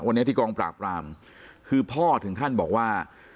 วันนี้ที่กองปราบรามคือพ่อถึงขั้นบอกว่า